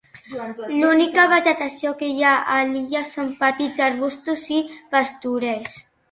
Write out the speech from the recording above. L'única vegetació que hi ha a l'illa són petits arbustos i pastures.